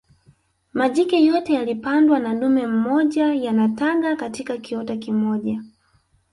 majike yote yaliyopandwa na dume mmoja yanataga katika kiota kimoja